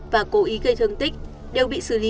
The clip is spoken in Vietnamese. và cố ý gây thương tích đều bị xử lý